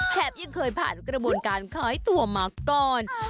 ยังเคยผ่านกระบวนการคล้อยตัวมาก่อน